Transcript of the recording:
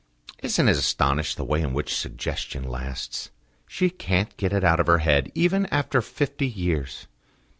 "Isn't it astonishing the way in which suggestion lasts? She can't get it out of her head, even after fifty years.